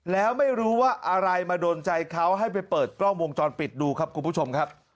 แล้วไม่รู้ว่าอะไรมาโดนใจเขาให้ไปเปิดกล้องวงจรปิดดูครับคุณผู้ชมครับ